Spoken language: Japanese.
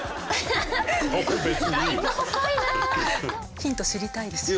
ヒント知りたいですよね。